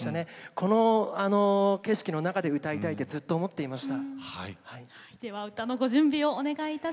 こんな景色の中で歌いたいと思っていました。